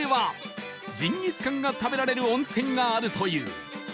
ジンギスカンが食べられる温泉があるという